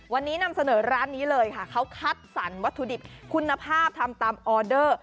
วันนี้นำเสนอร้านนี้เลยค่ะเขาคัดสรรวัตถุดิบคุณภาพทำตามออเดอร์